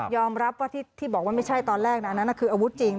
รับว่าที่บอกว่าไม่ใช่ตอนแรกนะอันนั้นคืออาวุธจริง